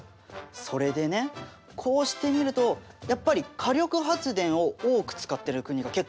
それでねこうして見るとやっぱり火力発電を多く使っている国が結構あるよね。